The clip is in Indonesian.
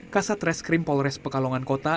kasat reskrim polres pekalongan kota